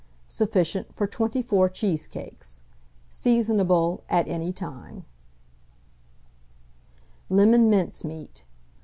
Sufficient for 24 cheesecakes. Seasonable at any time. LEMON MINCEMEAT.